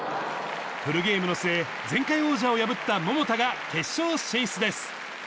フルゲームの末、前回王者を破った桃田が、決勝進出です。